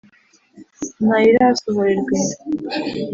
Nta yirasohorerwa inda,